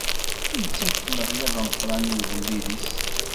Ittak-d leɣlab ameqqran i ugellid-is.